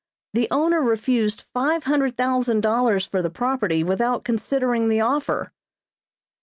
The owner refused five hundred thousand dollars for the property without considering the offer."